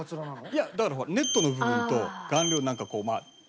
いやだからほらネットの部分と顔料でなんかこう。